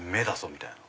みたいな。